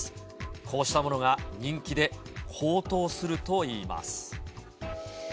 こうしたものが人気で、高騰するといいます。